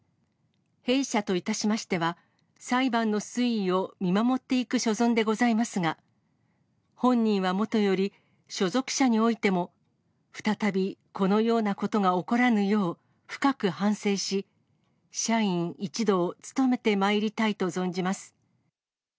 弊社といたしましては、裁判の推移を見守っていく所存でございますが、本人はもとより、所属者においても、再びこのようなことが起こらぬよう、深く反省し、社員一同努めてまいりたいと存じます。